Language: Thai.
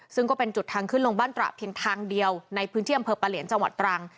ซึ่งก็เป็นจุดทางขึ้นลงบ้านตระเพียงทางเดียวในพื้นที่อำเภอปะเหลียนจังหวัดตรัง